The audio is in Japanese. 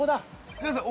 すみません